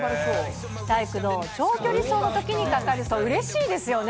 体育の長距離走のときにかかるとうれしいですよね。